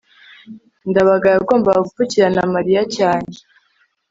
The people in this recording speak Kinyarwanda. ndabaga yagombaga gupfukirana mariya cyane